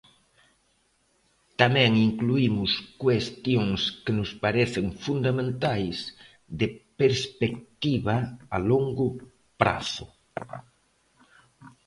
Tamén incluímos cuestións que nos parecen fundamentais de perspectiva a longo prazo.